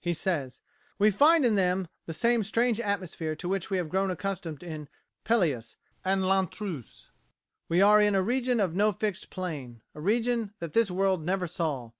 He says, "We find in them the same strange atmosphere to which we had grown accustomed in 'Pelleas' and 'L'Intruse.' We are in a region of no fixed plane a region that this world never saw.